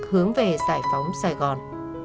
hướng về giải phóng sài gòn